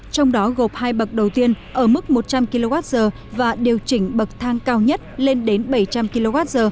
trong đó gộp hai bậc đầu tiên ở mức một trăm linh kwh và điều chỉnh bậc thang cao nhất lên đến bảy trăm linh kwh